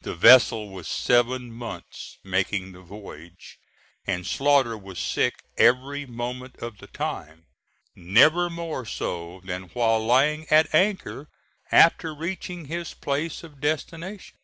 The vessel was seven months making the voyage, and Slaughter was sick every moment of the time, never more so than while lying at anchor after reaching his place of destination.